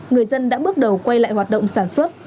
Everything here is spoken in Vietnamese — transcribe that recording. người dân đã bước đầu quay lại hoạt động sản xuất